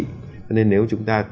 nên nếu chúng ta